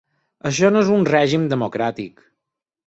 Això no és un règim democràtic.